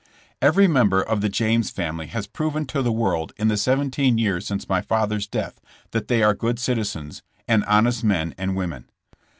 Every member of the James family has proven to the world in the seventeen years since my father's death that they are good citizens, and honest men and women.